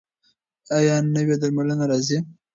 ایا نوې درملنه راځي؟